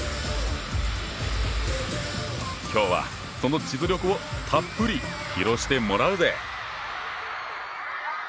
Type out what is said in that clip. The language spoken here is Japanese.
今日はその実力をたっぷり披露してもらうぜ！